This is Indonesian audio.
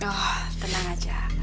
oh tenang aja